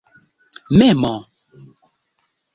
memo